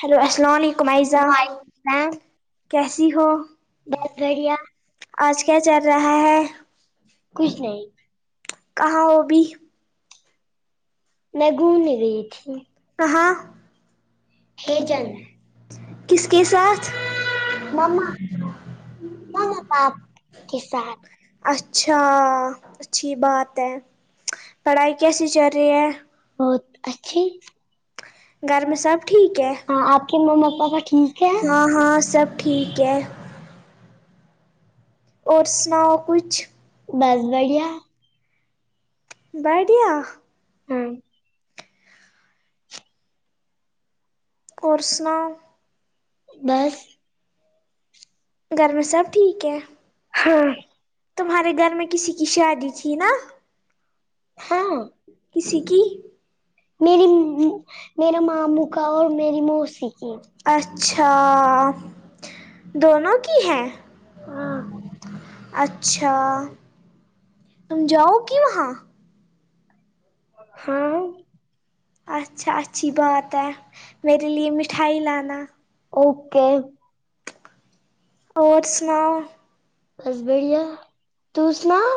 hello السلام علیکم Aiza ma'am کیسی ہو بہت بڑھیا اج کیا چل رہا ہے کچھ نہیں کہاں ہو ابھی میں گھومنے گئی تھی کہاں ہے جان میں کس کے ساتھ مما ماما مما باپ [unintelligible] کے ساتھ اچھا اچھی بات ہے پڑھائی کیسی چل رہی ہے بہت اچھی گھر میں سب ٹھیک ہے ہاں آپ کے مما پاپا ٹھیک ہے ہاں ہاں سب ٹھیک ہے اور سناؤ کچھ بس بڑھیا بڑھیا ہم اور سناؤ بس گھر میں سب ٹھیک ہے ہاں تمہارے گھر میں کسی کی شادی تھی نا ہاں کسی کی میری میرے ماموں کا اور میری موسی کی اچھا دونوں کی ہیں ہاں اچھا تم جاؤ گی وہاں ہاں اچھا اچھی بات ہے میرے لیے مٹھائی لانا اوکے اور سناؤ بس بڑیا تو سناؤ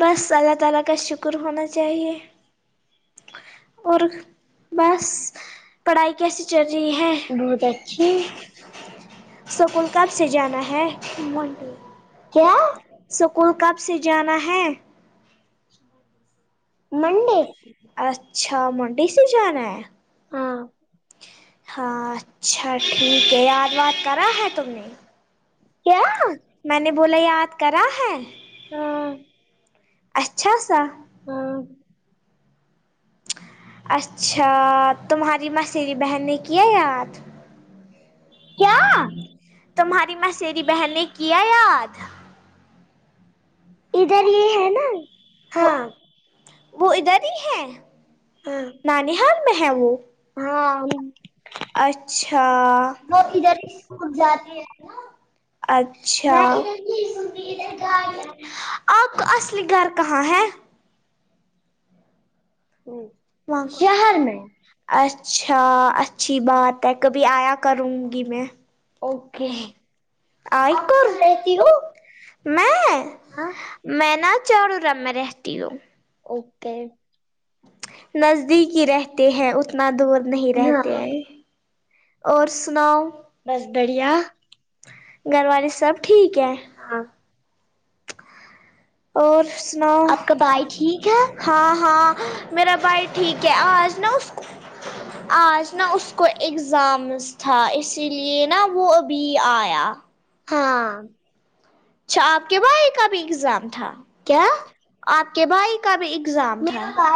بس اللہ تعالی کا شکر ہونا چاہیے اور بس پڑھائی کیسی چل رہی ہے بہت اچھی اسکول کب سے جانا ہے منڈے کیا اسکول کب سے جانا ہے منڈے اچھا منڈی سے جانا ہے ہاں ہاں اچھا ٹھیک ہے یاد وات کرا ہے تم نے کیا میں نے بولا یاد کرا ہے ہاں اچھا سا ہاں اچھا تمہاری ماںسری بہن نے کیا یاد کیا تمہاری مسری بہن نے کیا یاد ادھر ہی ہے نا وہ ہاں وہ ادھر ہی ہے ہاں نانی حال میں ہے وہ ہاں وہی اچھا ادھر خود جاتے ہیں اچھا [unintelligible] آپ کا اصلی گھر کہاں ہے ہمم واں اچھا اچھی بات ہے کبھی آیا کروں گی میں اوکے آی آپ کور کہاں رہتی ہو میں ہاں میں نا چاڑوں رم میں رہتی ہوں اوکے نزدیک ہی رہتے ہیں اتنا دور نہیں ہاں رہتے ہیں اور سناؤ بس بڑھیا گھر والے سب ٹھیک ہے ہاں اور سناو آپ کا بھائی ٹھیک ہے ہاں ہاں میرا بھائی ٹھیک ہے آج نا اس کو آج نا اس کو ایگزامس تھا اسی لیے نا وہ ابھی آیا ہاں اچھا آپ کے بھائی کا بھی ایگزام تھا کیا آپ کے بھائی کا بھی ایگزام تھا میرا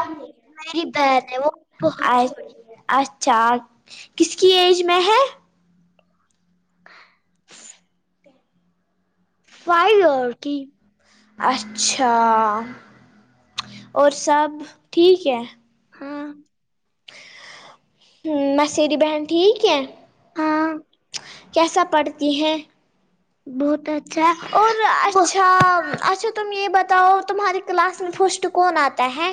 میری بہن ہے وہ بہت اچ چھوٹی اچھا کس کی ایج میں ہے فائیو ایئر کی اچھا اور سب ٹھیک ہے ہاں مسیری بہن ٹھیک ہے ہاں کیسا پڑھتی ہیں بہت اچ اور [unintelligible] اچھا اچھا تم یہ بتاؤ تمہاری کلاس میں فسٹ کون آتا ہے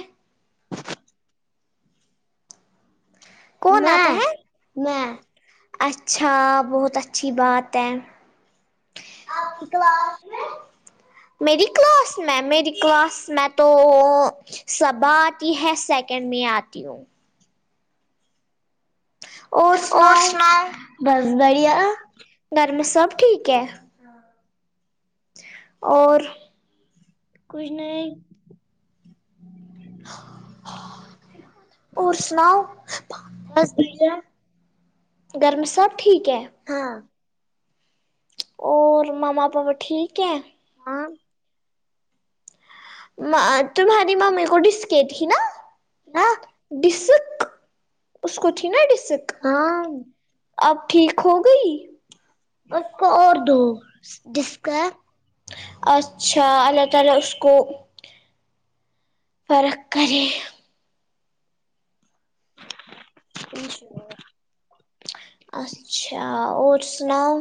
کون آتا میں ہے میں اچھا بہت اچھی بات ہے آپ کی کلاس میں میری کلاس میں میری کلاس میں تو صبا آتی ہے سیکنڈ میں آتی ہوں اور سناؤ بس بڑھیا گھر میں سب ٹھیک ہے اور کچھ نہیں اور سناؤ بس بڑھیا گھر میں سب ٹھیک ہے ہاں اور ماما پاپا ٹھیک ہیں ہاں تمہاری ممی کو ڈسک تھی نا ہاں کیا ڈسک اس کو تھی نا ڈسک ہاں اب ٹھیک ہو گئی اس کو اور دو جس کا ہے اچھا اللہ تعالی اس کو فرق کرے ش اچھا اور سناؤ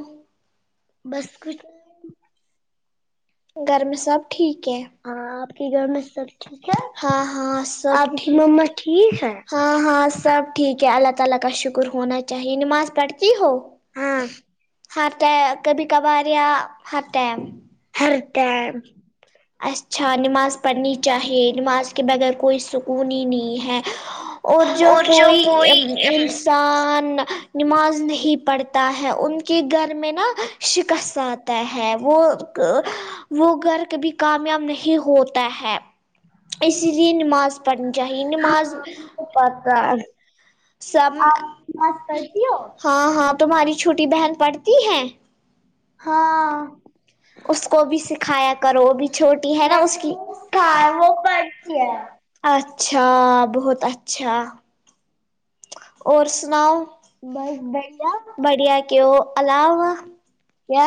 بس کچھ گھر میں سب ٹھیک ہے ہاں آپ کی گھر میں سب ٹھیک ہے ہاں ہاں سب آپ کی ٹھیک مما ٹھیک ہے ہاں ہاں سب ٹھیک ہے اللہ تعالی کا شکر ہونا چاہیے نماز پڑھ کے ہی ہو ہاں ہاتھ ہے کبھی کبھار یا ہر ٹائم ہر ٹائم اچھا نماز پڑھنی چاہیے نماز کے بغیر کوئی سکون ہی نہیں ہے اور جو کوئی ان انسان نماز نہیں پڑتا ہے ان کے گھر میں نا شکس اتا ہے وہ وہ گھر کبھی کامیاب نہیں ہوتا ہے اسی لیے نماز پڑھنی چاہیے نماز پتا سب آپ نماز پڑھتی ہو ہاں ہاں تمہاری چھوٹی بہن پڑھتی ہیں ہاں اس کو بھی سکھایا کرو وہ بھی چھوٹی ہے نا میں اس کی وہ وہ پڑھتی ہے اچھا بہت اچھا اور سناؤ بس بڑھیا بڑھیا کیو الاؤا کیا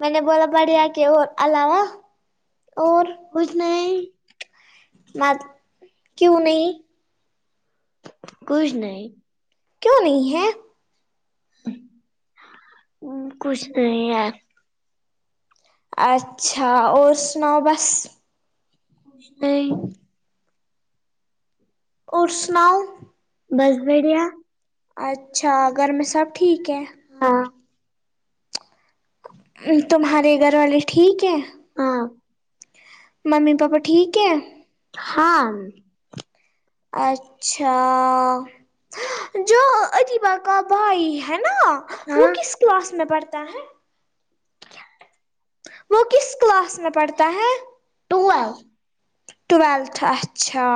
میں نے بولا بڑھیا کے اور علاوہ اور کچھ نہیں م کیوں نہیں کچھ نہیں کیوں نہیں ہے کچھ نہیں ہے اچھا اور سناؤ بس نہیں اور سناؤ بس بیڈیا اچھا گھر میں سب ٹھیک ہے ہاں تمہارے گھر والے ٹھیک ہے ہاں ممی پاپا ٹھیک ہے ہاں اچھا جو ادیبہ کا بھائی ہے نا وہ ہاں کس کلاس میں پڑھتا ہے وہ کس کلاس میں پڑھتا ہے ٹویل ٹویلتھ اچھا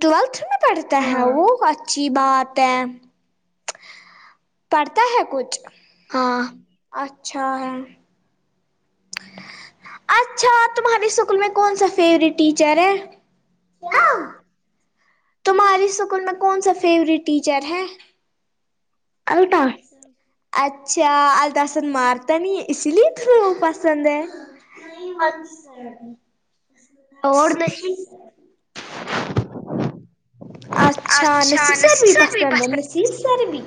ٹویلتھ میں پڑھتا ہے وہ ہاں اچھا اچھی بات ہے پڑھتا ہے کچھ ہاں اچھا ہے اچھا تمہارے اسکول میں کون سا فیوریٹ ٹیچر ہے ہاں تمہارے اسکول میں کون سا فیوریٹ ٹیچر ہے الٹا [unintelligible] اچھا الطاف سر مارتا نہیں اسی لیے تمہیں وہ پسند ہے اور نہیں اچھا نسی سر بھی پسند ہو نسی سر بھی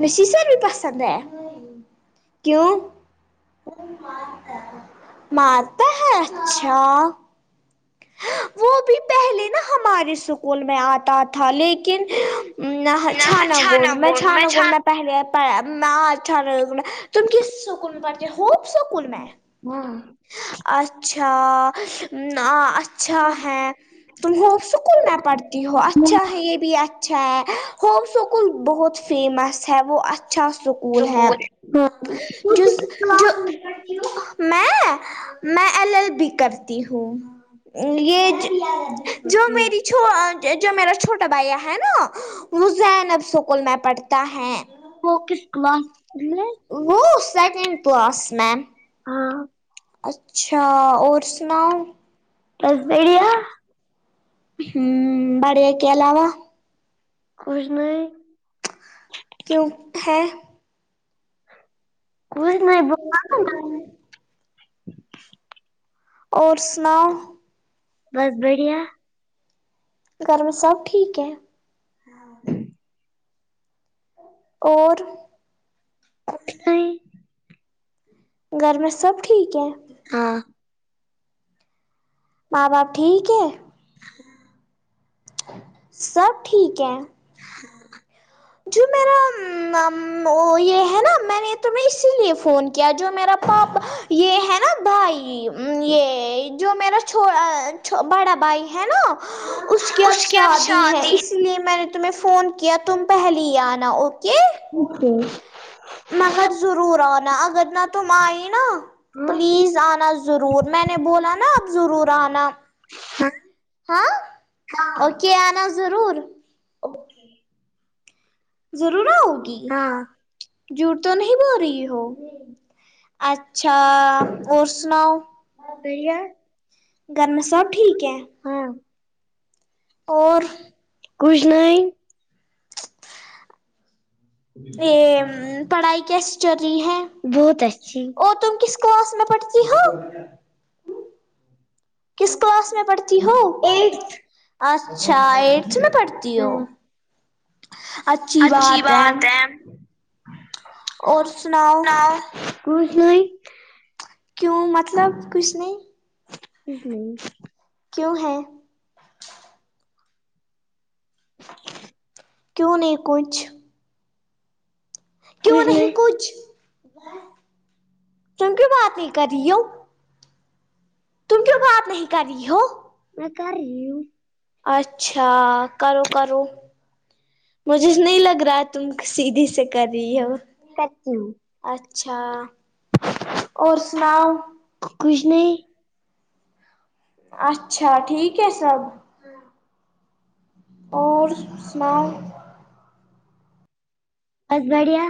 مشی سر بھی پسند ہے کیوں وہ مارتا ہے مارتا ہے اچھا وہ بھی پہلے نا ہمارے اسکول میں آتا تھا لیکن نہ چھانا گن میں چھانا گن میں پہلے پڑھا میں اچھا ل تم کس سکول میں پڑھتے ہوپ سکول میں ہاں اچھا ا آ چ اچھا ہے تم ہوپ اسکول میں پڑھتی ہو اچھا ہے یہ بھی ا اچھا ہے ہوپ اسکول بہت فیمس ہے وہ اچھا اس کول ہے جو جو ہاں میں میں ایل ایل بی کرتی ہوں یہ جو میری جو میرا چھوٹا بھیا ہے نا وہ زینب اسکول میں پڑھ تا ہے فوکس کلاس میں وہ سیکنڈ کلاس میں ہاں اچھا اور سناؤ بس بڑھیا ہوں بڑیا کے علاوہ کچھ نہیں کیوں ہے کچھ نہیں بولا نا، [unintelligible] اور سناؤ بس بڑھیا گھر میں سب ٹھیک ہے ہاں اور نہیں ہوں گھر میں سب ٹھیک ہے ہاں ماں باپ ٹھیک ہے سب ٹھیک ہے جو [unintelligible] میرا وہ یہ ہے نا میں نے تمہیں اسی لیے فون کیا جو میرا پاپ یہ ہے نا بھائی یہ جو میرا چھو بڑا بھائی ہے نا اس کی اب شادی ہیں اس اس لیے میں نے تمہیں فون کیا تم پہلے ہی آنا اوکے اوکے مگر ضرور آنا اگر نہ تم آئی نا پلیز آنا ضرور میں نے بولا نا اب ضرور آنا ہاں اوکے آنا ضرور اوکے ضرور آؤگی ہاں جوٹ تو نہیں بول رہی ہو امم اچھا اور سناؤ بڑھیا گرمیں سب ٹھیک ہے ہاں اور کچھ نہیں یہ پڑھائی کیسی چل رہی ہے بہت اچھی اور تم کس کلاس میں پڑھتی ہو کس کلاس میں پڑھتی ہو ایٹھ اچھا ایڑتھ میں پڑھتی ہاں ہو اچھی بات ہے اور بتاو کچھ نہیں کیوں مطلب کچھ نہیں امم کیا ہیں کیوں نہیں کچھ کیوں نہیں کچھ تم کیوں بات نہیں کر رہی ہو تم کیوں بات نہیں کر رہی ہو میں کر رہی ہوں اچھا کرو کرو مجھے نہیں لگ رہا ہے تم سیدھی سے کر رہی ہو کرتی ہوں اچھا اور سناؤ کچھ نہیں اچھا ٹھیک ہے سب اور سناؤ اور بڑھیا